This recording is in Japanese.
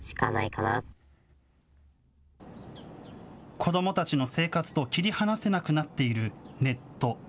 子どもたちの生活と切り離せなくなっているネット。